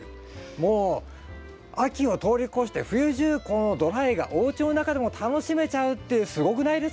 もう秋を通り越して冬中このドライがおうちの中でも楽しめちゃうってすごくないですか？